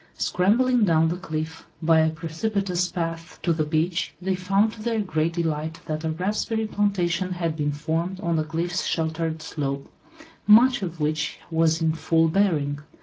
Scrambling down the cliff by a precipitous path to the beach, they found to their great delight that a raspberry plantation had been formed on the cliff sheltered slope, much of which was in full bearing.